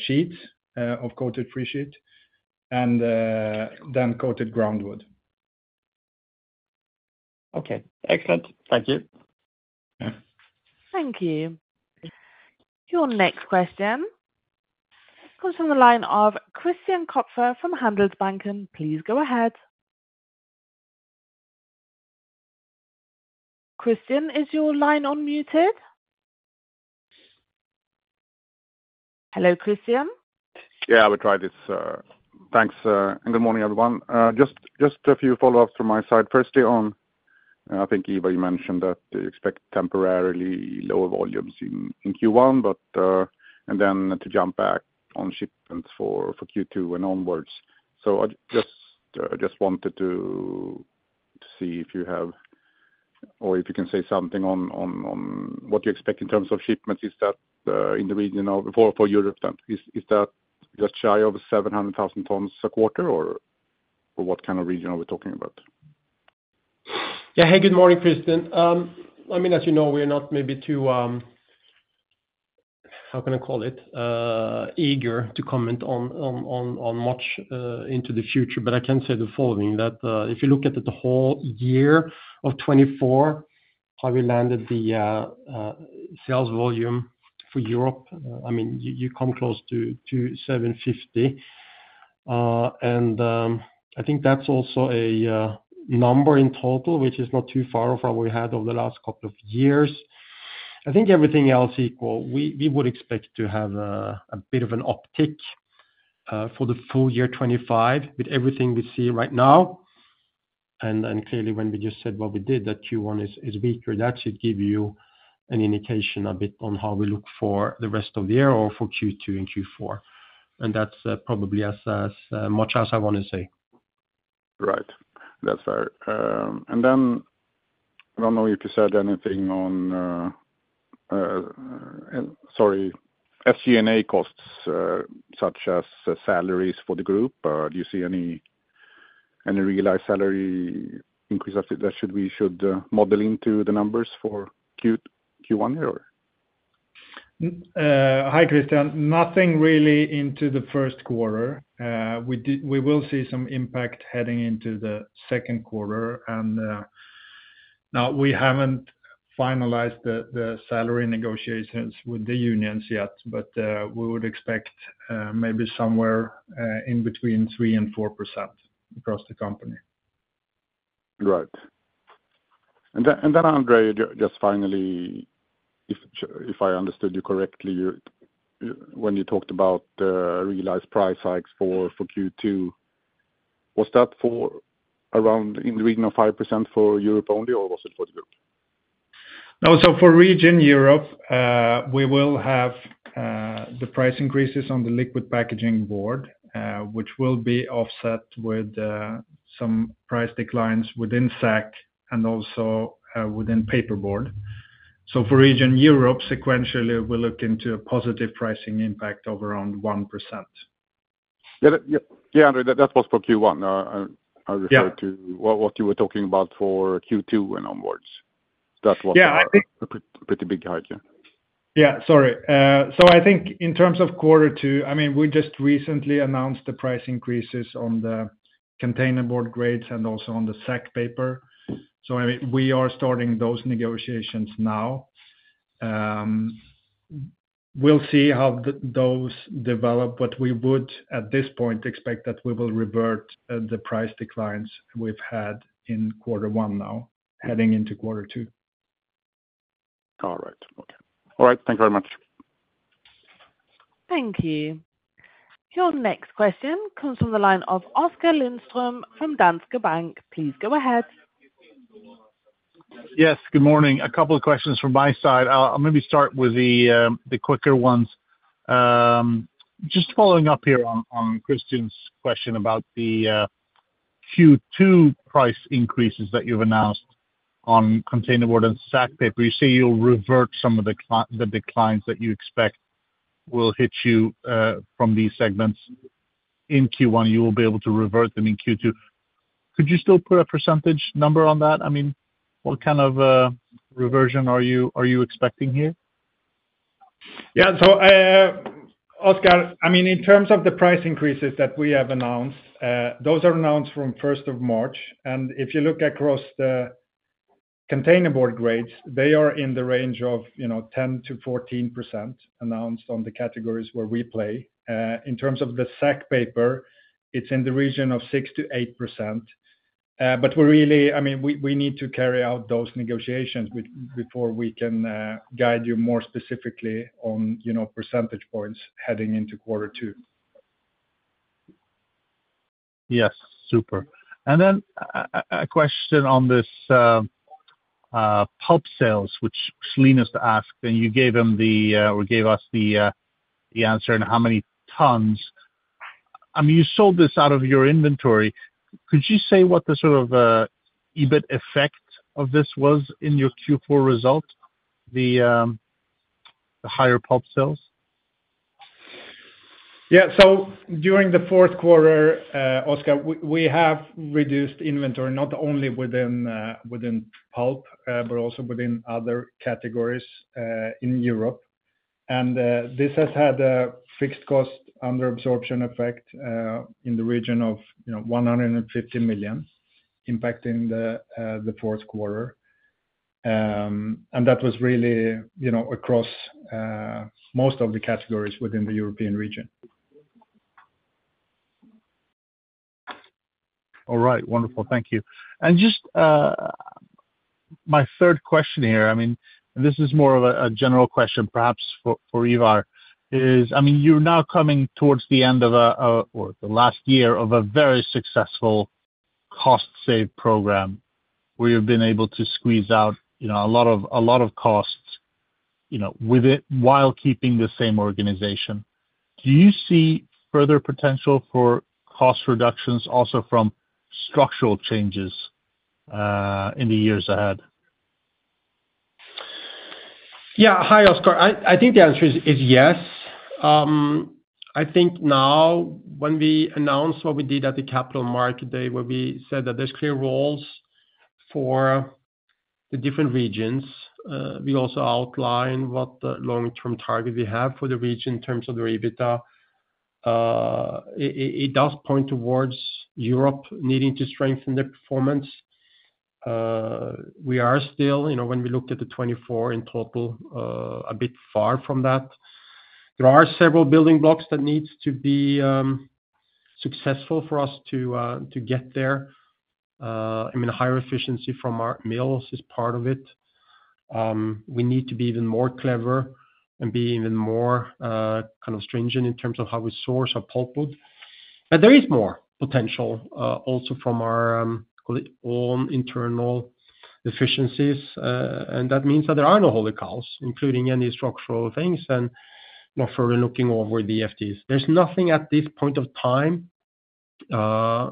sheets of coated freesheet and then coated groundwood. Okay. Excellent. Thank you. Thank you. Your next question comes from the line of Christian Kopfer from Handelsbanken. Please go ahead. Christian, is your line unmuted? Hello, Christian. Yeah, I will try this. Thanks. And good morning, everyone. Just a few follow-ups from my side. First, on I think Ivar, you mentioned that you expect temporarily lower volumes in Q1, and then to jump back on shipments for Q2 and onwards. So I just wanted to see if you have or if you can say something on what you expect in terms of shipments in the region for Europe then. Is that just shy of 700,000 tons a quarter, or what kind of region are we talking about? Yeah. Hey, good morning, Christian. I mean, as you know, we are not maybe too, how can I call it, eager to comment on much into the future. But I can say the following: that if you look at the whole year of 2024, how we landed the sales volume for Europe, I mean, you come close to 750. And I think that's also a number in total, which is not too far from what we had over the last couple of years. I think everything else equal. We would expect to have a bit of an uptick for the full year 2025 with everything we see right now. And clearly, when we just said what we did, that Q1 is weaker, that should give you an indication a bit on how we look for the rest of the year or for Q2 and Q4. That's probably as much as I want to say. Right. That's fair. And then I don't know if you said anything on, sorry, SG&A costs such as salaries for the group. Do you see any realized salary increase that we should model into the numbers for Q1 here, or? Hi, Christian. Nothing really into the first quarter. We will see some impact heading into the second quarter. And now we haven't finalized the salary negotiations with the unions yet, but we would expect maybe somewhere in between 3% and 4% across the company. Right. And then, Andrei, just finally, if I understood you correctly, when you talked about the realized price hikes for Q2, was that around in the region of 5% for Europe only, or was it for the group? No. For region Europe, we will have the price increases on the liquid packaging board, which will be offset with some price declines within SAC and also within paperboard. For region Europe, sequentially, we'll look into a positive pricing impact of around 1%. Yeah. Yeah, Andrei, that was for Q1. I referred to what you were talking about for Q2 and onward. That was a pretty big hike. Yeah. Sorry. So I think in terms of quarter two, I mean, we just recently announced the price increases on the containerboard grades and also on the sack paper. So I mean, we are starting those negotiations now. We'll see how those develop, but we would at this point expect that we will revert the price declines we've had in quarter one now heading into quarter two. All right. Okay. Thank you very much. Thank you. Your next question comes from the line of Oskar Lindström from Danske Bank. Please go ahead. Yes. Good morning. A couple of questions from my side. I'll maybe start with the quicker ones. Just following up here on Christian's question about the Q2 price increases that you've announced on containerboard and sack paper, you say you'll reverse some of the declines that you expect will hit you from these segments in Q1. You will be able to reverse them in Q2. Could you still put a percentage number on that? I mean, what kind of reversal are you expecting here? Yeah. So Oskar, I mean, in terms of the price increases that we have announced, those are announced from 1st of March. And if you look across the containerboard grades, they are in the range of 10%-14% announced on the categories where we play. In terms of the sack paper, it's in the region of 6%-8%. But I mean, we need to carry out those negotiations before we can guide you more specifically on percentage points heading into quarter two. Yes. Super. And then a question on this pulp sales, which Lena's asked, and you gave us the answer on how many tons. I mean, you sold this out of your inventory. Could you say what the sort of EBIT effect of this was in your Q4 result, the higher pulp sales? Yeah. So during the fourth quarter, Oskar, we have reduced inventory not only within pulp, but also within other categories in Europe. And this has had a fixed cost under absorption effect in the region of 150 million, impacting the fourth quarter. And that was really across most of the categories within the European region. All right. Wonderful. Thank you. And just my third question here, I mean, this is more of a general question perhaps for Ivar, is I mean, you're now coming towards the end of or the last year of a very successful cost-saving program where you've been able to squeeze out a lot of costs while keeping the same organization. Do you see further potential for cost reductions also from structural changes in the years ahead? Yeah. Hi, Oskar. I think the answer is yes. I think now when we announced what we did at the capital market day, where we said that there's clear roles for the different regions, we also outlined what the long-term target we have for the region in terms of the EBITDA. It does point towards Europe needing to strengthen their performance. We are still, when we look at the 2024 in total, a bit far from that. There are several building blocks that need to be successful for us to get there. I mean, higher efficiency from our mills is part of it. We need to be even more clever and be even more kind of stringent in terms of how we source our pulp wood. But there is more potential also from our own internal efficiencies. And that means that there are no holy cows, including any structural things, and no further looking over the EBITs. There's nothing at this point of time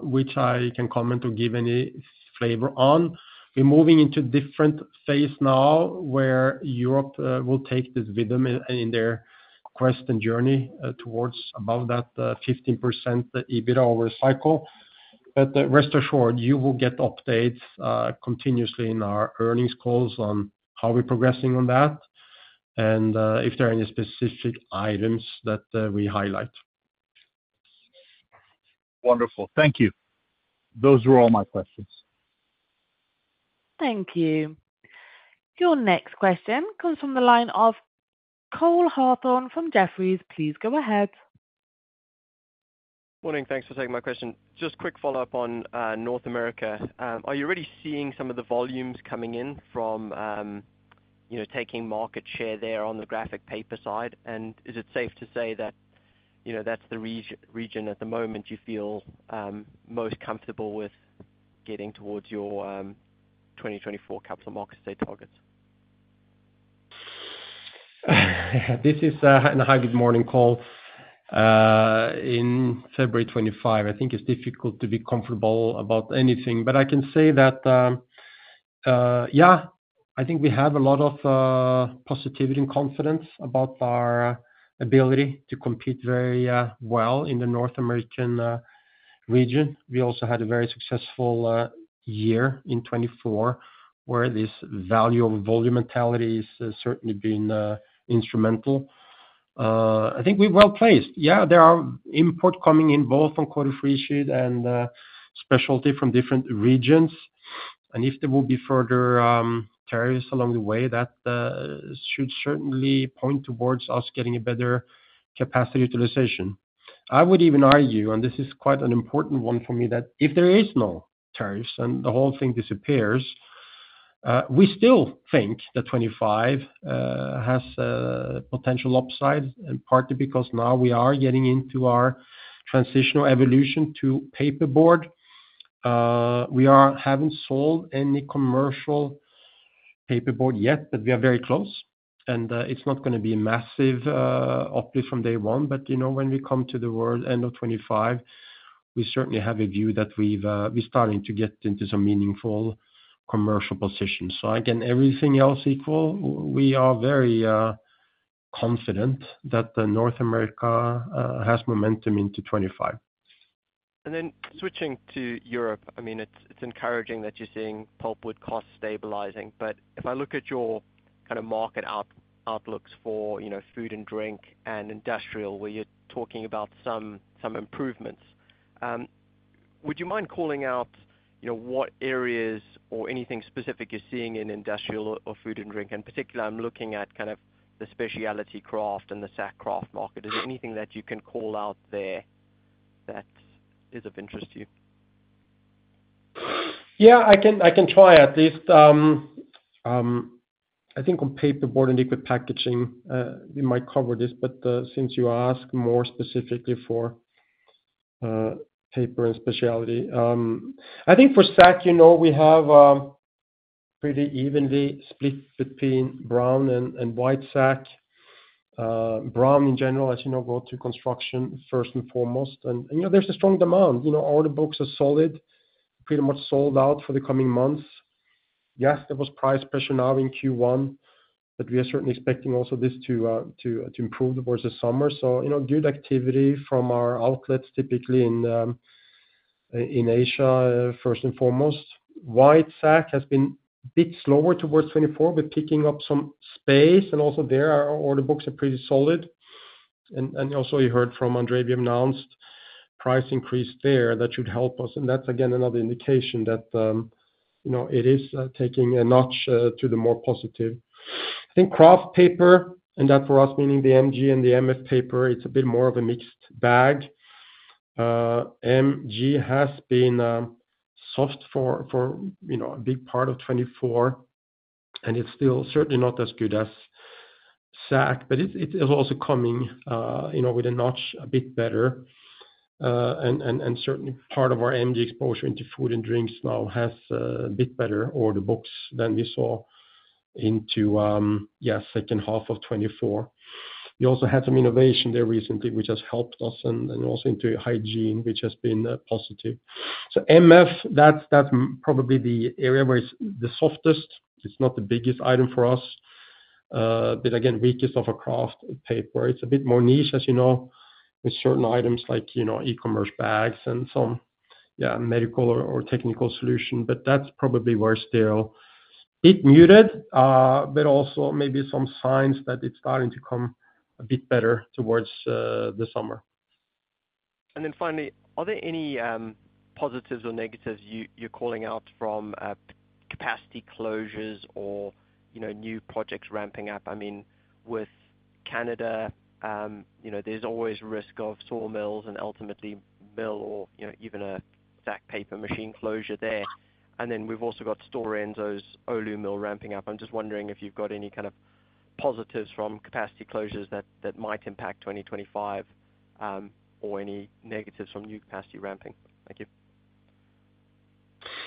which I can comment or give any flavor on. We're moving into a different phase now where Europe will take this with them in their quest and journey towards above that 15% EBITDA over the cycle. But rest assured, you will get updates continuously in our earnings calls on how we're progressing on that and if there are any specific items that we highlight. Wonderful. Thank you. Those were all my questions. Thank you. Your next question comes from the line of Cole Hathorn from Jefferies. Please go ahead. Good morning. Thanks for taking my question. Just quick follow-up on North America. Are you already seeing some of the volumes coming in from taking market share there on the graphic paper side? And is it safe to say that that's the region at the moment you feel most comfortable with getting towards your 2024 capital markets day targets? Hi, good morning, Cole. In February 2025, I think it's difficult to be comfortable about anything. But I can say that, yeah, I think we have a lot of positivity and confidence about our ability to compete very well in the North American region. We also had a very successful year in 2024 where this value of volume mentality has certainly been instrumental. I think we're well placed. Yeah, there are imports coming in both on coated freesheet and specialty from different regions. And if there will be further tariffs along the way, that should certainly point towards us getting a better capacity utilization. I would even argue, and this is quite an important one for me, that if there is no tariffs and the whole thing disappears, we still think that 2025 has potential upsides, in part because now we are getting into our transitional evolution to paperboard. We haven't sold any commercial paperboard yet, but we are very close. And it's not going to be a massive uplift from day one. But when we come to the end of 2025, we certainly have a view that we're starting to get into some meaningful commercial positions. So again, everything else equal, we are very confident that North America has momentum into 2025. Then switching to Europe, I mean, it's encouraging that you're seeing pulpwood costs stabilizing. But if I look at your kind of market outlooks for food and drink and industrial, where you're talking about some improvements, would you mind calling out what areas or anything specific you're seeing in industrial or food and drink? In particular, I'm looking at kind of the specialty kraft and the sack kraft market. Is there anything that you can call out there that is of interest to you? Yeah, I can try. At least I think on paperboard and liquid packaging, we might cover this. But since you asked more specifically for paper and specialty, I think for sack, we have pretty evenly split between brown and white sack. Brown, in general, as you know, goes to construction first and foremost. And there's a strong demand. Order books are solid, pretty much sold out for the coming months. Yes, there was price pressure now in Q1, but we are certainly expecting also this to improve towards the summer. So good activity from our outlets typically in Asia first and foremost. White sack has been a bit slower towards 2024, but picking up some space. And also there, our order books are pretty solid. And also, you heard from Andrei, we announced price increase there that should help us. That's, again, another indication that it is taking a notch to the more positive. I think kraft paper, and that for us meaning the MG and the MF paper, it's a bit more of a mixed bag. MG has been soft for a big part of 2024, and it's still certainly not as good as sack, but it is also coming with a notch a bit better. And certainly, part of our MG exposure into food and drinks now has a bit better order books than we saw into, yeah, second half of 2024. We also had some innovation there recently, which has helped us, and also into hygiene, which has been positive. So MF, that's probably the area where it's the softest. It's not the biggest item for us, but again, weakest of a kraft paper. It's a bit more niche, as you know, with certain items like e-commerce bags and some, yeah, medical or technical solutions. But that's probably where still a bit muted, but also maybe some signs that it's starting to come a bit better towards the summer. And then finally, are there any positives or negatives you're calling out from capacity closures or new projects ramping up? I mean, with Canada, there's always risk of sawmills and ultimately mill or even a sack paper machine closure there. And then we've also got Stora Enso's Oulu mill ramping up. I'm just wondering if you've got any kind of positives from capacity closures that might impact 2025 or any negatives from new capacity ramping. Thank you.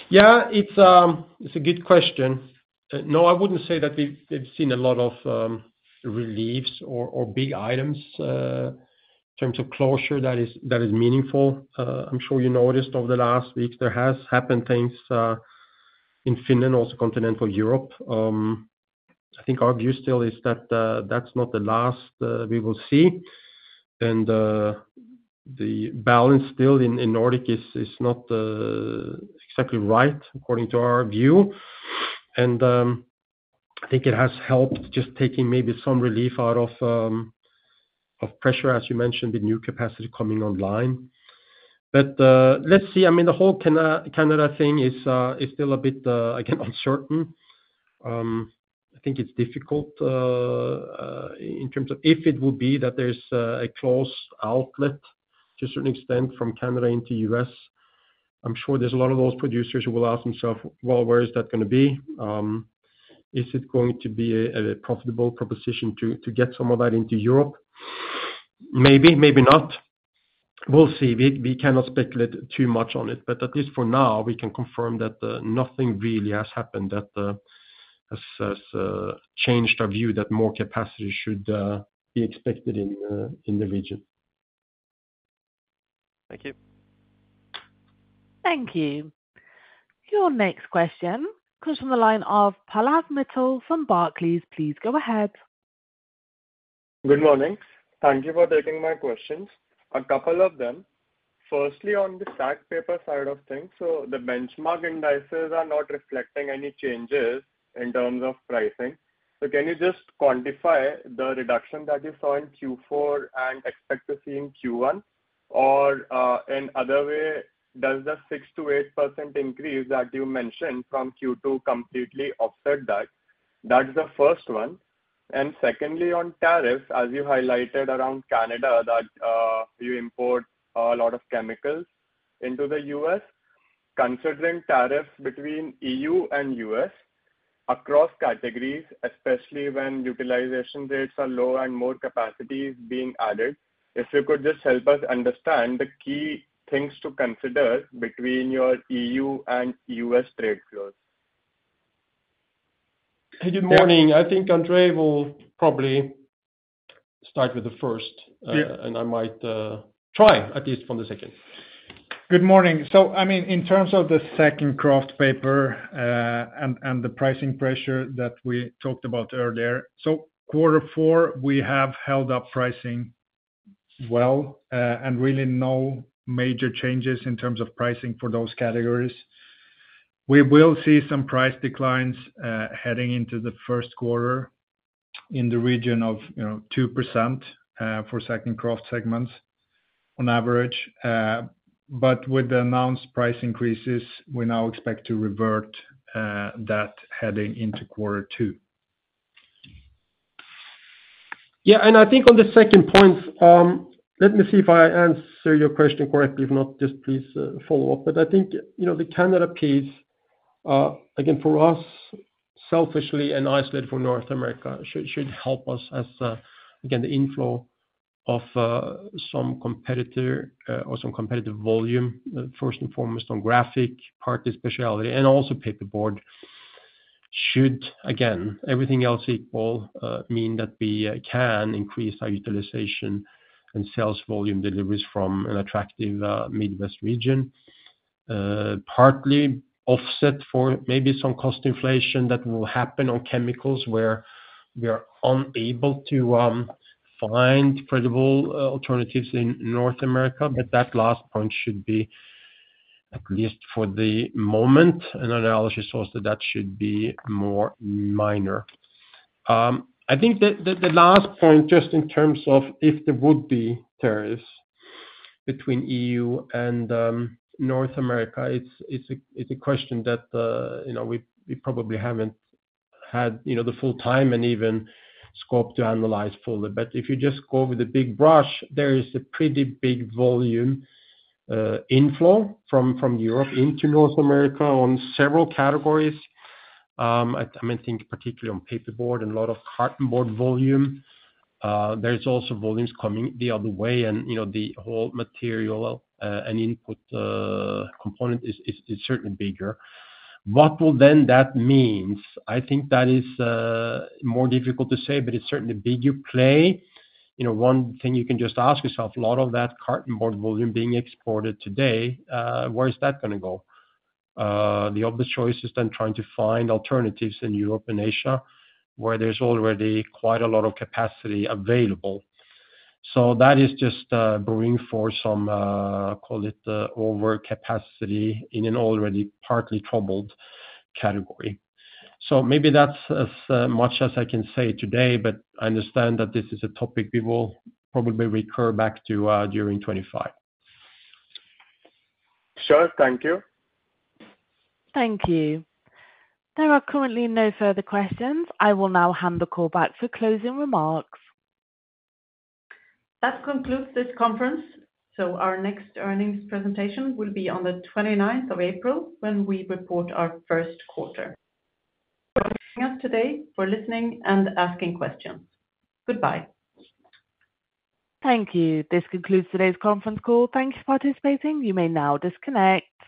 Yeah, it's a good question. No, I wouldn't say that we've seen a lot of reliefs or big items in terms of closure that is meaningful. I'm sure you noticed over the last week there has happened things in Finland, also Continental Europe. I think our view still is that that's not the last we will see. And the balance still in Nordics is not exactly right, according to our view. And I think it has helped just taking maybe some relief out of pressure, as you mentioned, with new capacity coming online. But let's see. I mean, the whole Canada thing is still a bit, again, uncertain. I think it's difficult in terms of if it will be that there's a close outlet to a certain extent from Canada into the U.S. I'm sure there's a lot of those producers who will ask themselves, "Well, where is that going to be? Is it going to be a profitable proposition to get some of that into Europe?" Maybe, maybe not. We'll see. We cannot speculate too much on it. But at least for now, we can confirm that nothing really has happened that has changed our view that more capacity should be expected in the region. Thank you. Thank you. Your next question comes from the line of Pallav Mittal from Barclays. Please go ahead. Good morning. Thank you for taking my questions. A couple of them. Firstly, on the sack paper side of things, so the benchmark indices are not reflecting any changes in terms of pricing. So can you just quantify the reduction that you saw in Q4 and expect to see in Q1? Or in other way, does the 6%-8% increase that you mentioned from Q2 completely offset that? That's the first one. And secondly, on tariffs, as you highlighted around Canada that you import a lot of chemicals into the U.S., considering tariffs between E.U. and U.S. across categories, especially when utilization rates are low and more capacity is being added, if you could just help us understand the key things to consider between your E.U. and U.S. trade flows. Hey, good morning. I think Andrei will probably start with the first, and I might try at least from the second. Good morning. So I mean, in terms of the sack kraft paper and the pricing pressure that we talked about earlier, so quarter four, we have held up pricing well and really no major changes in terms of pricing for those categories. We will see some price declines heading into the first quarter in the region of 2% for sack kraft segments on average. But with the announced price increases, we now expect to revert that heading into quarter two. Yeah, and I think on the second point, let me see if I answer your question correctly. If not, just please follow up, but I think the Canada piece, again, for us, selfishly and isolated for North America, should help us as, again, the inflow of some competitor or some competitive volume, first and foremost on graphic paper, specialty and also paperboard, should, again, everything else equal, mean that we can increase our utilization and sales volume deliveries from an attractive Midwest region, partly offset for maybe some cost inflation that will happen on chemicals where we are unable to find credible alternatives in North America. But that last point should be, at least for the moment, an analogous sort that should be more minor. I think the last point, just in terms of if there would be tariffs between EU and North America, it's a question that we probably haven't had the full time and even scope to analyze fully. But if you just go with a big brush, there is a pretty big volume inflow from Europe into North America on several categories. I mean, I think particularly on paperboard and a lot of cartonboard volume. There's also volumes coming the other way. And the whole material and input component is certainly bigger. What will then that mean? I think that is more difficult to say, but it's certainly a bigger play. One thing you can just ask yourself, a lot of that cartonboard volume being exported today, where is that going to go? The obvious choice is then trying to find alternatives in Europe and Asia where there's already quite a lot of capacity available. So that is just bringing forth some, call it overcapacity in an already partly troubled category. So maybe that's as much as I can say today, but I understand that this is a topic we will probably recur back to during 2025. Sure. Thank you. Thank you. There are currently no further questions. I will now hand the call back for closing remarks. That concludes this conference. So our next earnings presentation will be on the 29th of April when we report our first quarter. Thank you for listening and asking questions. Goodbye. Thank you. This concludes today's conference call. Thank you for participating. You may now disconnect.